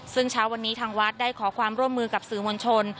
ซึ่งเช้าวันนี้ทางวัดได้ขอความร่วมมือกับสื่อมวลชน